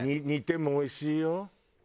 煮てもおいしいよ。